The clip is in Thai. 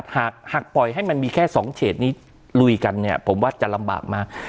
หากปล่อยให้มันมีแค่๒เฉดนี้ลุยกันเนี่ยผมว่าจะลำบากมาก